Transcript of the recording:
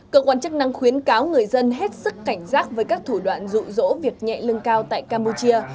cơ quan chức năng khuyến cáo người dân hết sức cảnh giác với các thủ đoạn rụ rỗ việc nhẹ lương cao tại campuchia